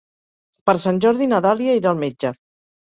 Per Sant Jordi na Dàlia irà al metge.